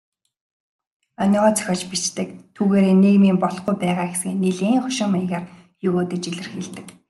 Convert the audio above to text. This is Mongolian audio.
Онигоо зохиож бичдэг, түүгээрээ нийгмийн болохгүй байгаа хэсгийг нэлээн хошин маягаар егөөдөж илэрхийлдэг.